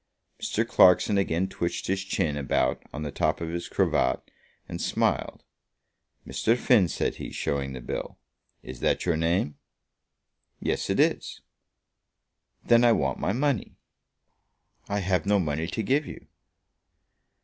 Mr. Clarkson again twitched his chin about on the top of his cravat and smiled. "Mr. Finn," said he, showing the bill, "is that your name?" "Yes, it is." "Then I want my money." "I have no money to give you."